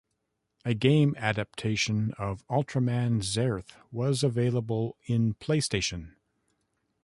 A game adaption of Ultraman Zearth was available in PlayStation.